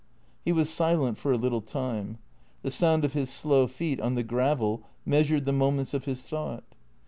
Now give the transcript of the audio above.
He was silent for a little time. The sound of his slow feet on the gravel measured the moments of his thought.